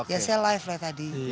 ya saya live lah tadi